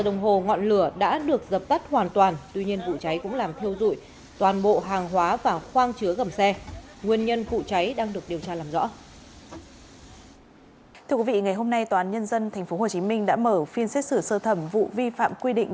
thưa quý vị ngày hôm nay tòa án nhân dân tp hcm đã mở phiên xét xử sơ thẩm vụ vi phạm quy định